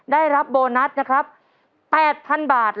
ได้รับโบนัสนะครับ๘๐๐๐บาท